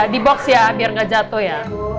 di box ya biar nggak jatuh ya